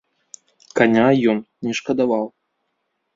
Каня ён не шкадаваў.